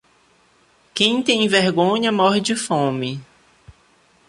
Quem tem vergonha morre de fome.